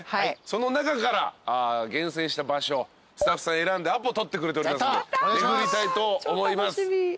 その中から厳選した場所スタッフさん選んでアポ取ってくれておりますんで巡りたいと思います。